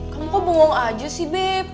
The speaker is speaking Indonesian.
kamu kok bongong aja sih beb